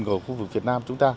của khu vực việt nam